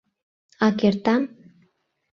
— А кертам?